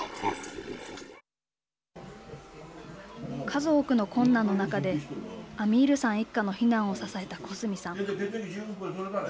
数多くの困難の中でアミールさん一家の避難を支えた小澄さん。